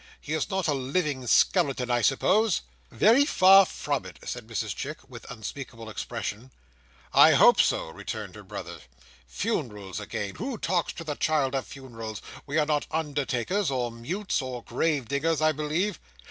He is not a living skeleton, I suppose." "Very far from it," said Mrs Chick, with unspeakable expression. "I hope so," returned her brother. "Funerals again! who talks to the child of funerals? We are not undertakers, or mutes, or grave diggers, I believe."